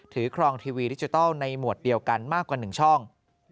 ครองทีวีดิจิทัลในหมวดเดียวกันมากกว่า๑ช่อง